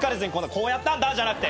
「こうやったんだ」じゃなくて。